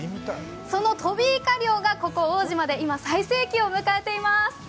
そのトビイカ漁が、ここ奥武島で最盛期を迎えています。